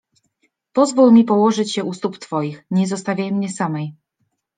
Pozwól mi położyć się u stóp twoich, nie zostawiaj mnie samej!